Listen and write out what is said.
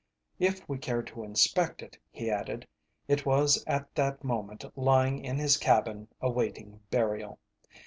If we cared to inspect it, he added, it was at that moment lying in his cabin awaiting burial.